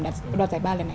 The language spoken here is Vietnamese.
đoạt giải ba lần này